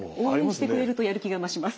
応援してくれるとやる気が増します。